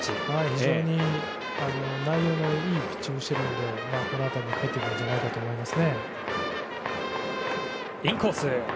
非常に内容のいいピッチングをしているのでこの辺りも入ってくるんじゃないかと思います。